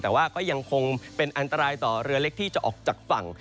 แต่ว่าก็ยังคงเป็นอันตรายต่อเรือเล็กที่จะออกจากฝั่ง